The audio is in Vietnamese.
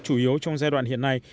chủ yếu trong giai đoạn hiện nay